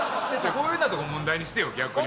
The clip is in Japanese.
こういうようなとこ問題にしてよ逆に。